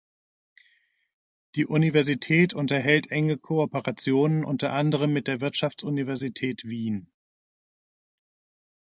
Die Universität unterhält enge Kooperationen unter anderem mit der Wirtschaftsuniversität Wien.